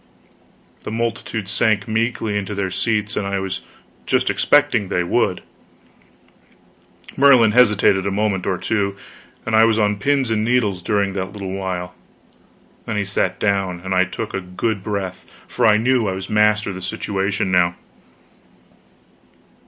The multitude sank meekly into their seats, and I was just expecting they would. Merlin hesitated a moment or two, and I was on pins and needles during that little while. Then he sat down, and I took a good breath; for I knew I was master of the situation now.